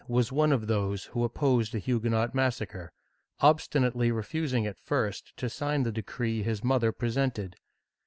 was one of those who opposed a Huguenot massacre, obstinately refusing at first to sign the decree his mother presented.